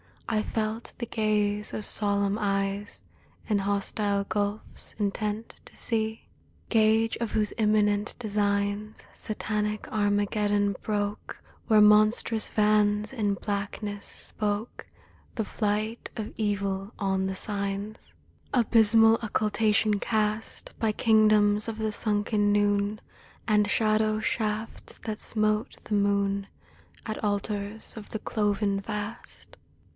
I felt the gaze of solemn eyes In hostile gulfs intent to see; Gage of whose imminent designs, Satanic Armageddon broke, Where monstrous vans in blackness spoke The flight of Evil on the Signs — Abysmal occultation cast By kingdoms of the sunken noon, And shadow shafts that smote the moon At altars of the cloven Vast!